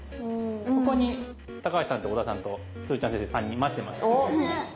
ここに橋さんと小田さんと鶴ちゃん先生３人待ってます。